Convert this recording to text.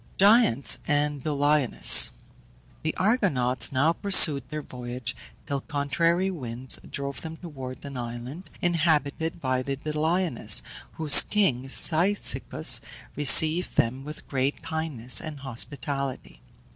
GIANTS AND DOLIONES. The Argonauts now pursued their voyage, till contrary winds drove them towards an island, inhabited by the Doliones, whose king Cyzicus received them with great kindness and hospitality.